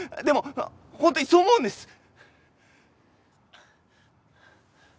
でも本当にそう思うんです！